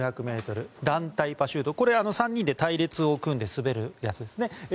１５００ｍと団体パシュートとは３人で隊列を組んで滑るやつですね。